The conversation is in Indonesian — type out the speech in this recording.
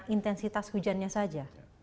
intensitas hujannya saja